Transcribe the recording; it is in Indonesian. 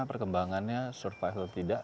perkembangannya survive atau tidak